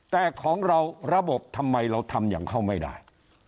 แต่ของเราระบบทำไมเราทำอย่างเขาไม่ได้